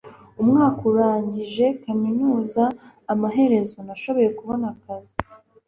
umwaka urangije kaminuza, amaherezo nashoboye kubona akazi